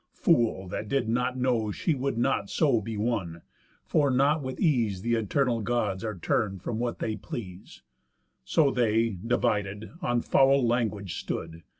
Fool! that did not know She would not so be won; for not with ease Th' Eternal Gods are turn'd from what they please. So they, divided, on foul language stood.